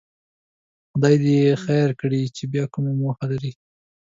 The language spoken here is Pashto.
خدای دې خیر کړي چې بیا کومه موخه لري.